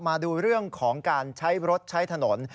มาดูเรื่องของการใช้รถใช้ถนน